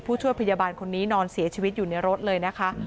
ช่วยพยาบาลคนนี้นอนเสียชีวิตอยู่ในรถเลยนะคะ